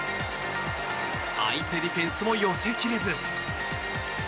相手ディフェンスも寄せ切れず。